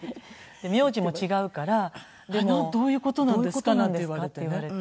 で名字も違うから「でもどういう事なんですか？」って言われて。